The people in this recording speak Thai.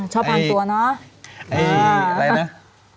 ชอบทำตัวเนาะ